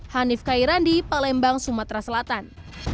hanif kairandi palembang sumatera selatan